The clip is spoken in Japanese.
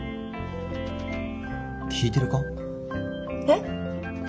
聞いてるか？え？